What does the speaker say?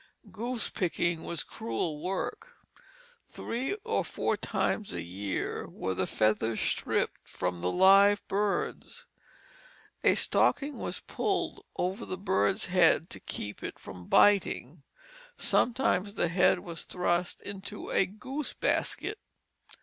Goose picking was cruel work. Three or four times a year were the feathers stripped from the live birds. A stocking was pulled over the bird's head to keep it from biting. Sometimes the head was thrust into a goose basket.